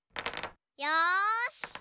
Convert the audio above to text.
よし！